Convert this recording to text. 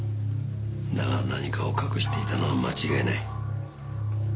だが何かを隠していたのは間違いない。